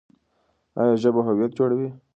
ایا ژبه هویت جوړوي؟